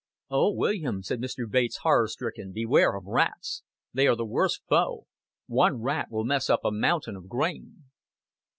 "Oh, William," said Mr. Bates, horror stricken, "beware of rats. They are the worst foe. One rat will mess up a mountain of grain."